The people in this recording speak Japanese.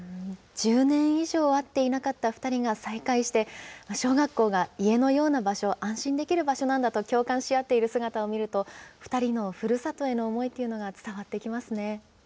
１０年以上会っていなかった２人が再会して、小学校が家のような場所、安心できる場所なんだと共感し合っている姿を見ると、２人のふるさとへの思いというのが伝わってきますね。